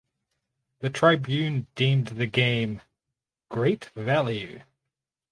The Tribune deemed the game "great value".